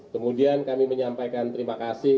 kemudian kami menyampaikan terima kasih